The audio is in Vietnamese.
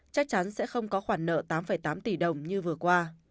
chắc chắn sẽ không có khoản nợ tám tám tỷ đồng như vừa qua